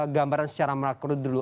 gambaran secara makro dulu